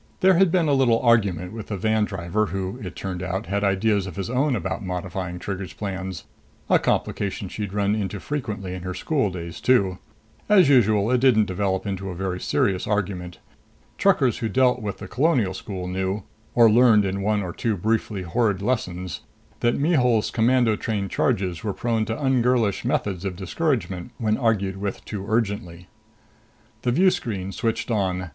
There had been a little argument with the van driver who, it turned out, had ideas of his own about modifying Trigger's plans a complication she'd run into frequently in her school days too. As usual, it didn't develop into a very serious argument. Truckers who dealt with the Colonial School knew, or learned in one or two briefly horrid lessons, that Mihul's commando trained charges were prone to ungirlish methods of discouragement when argued with too urgently. The view screen switched on.